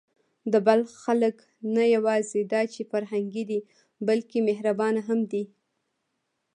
د بلخ خلک نه یواځې دا چې فرهنګي دي، بلکې مهربانه هم دي.